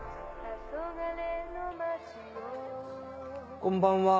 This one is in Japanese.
こんばんは。